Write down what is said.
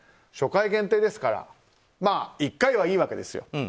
初回限定ですから１回はいいわけですよ。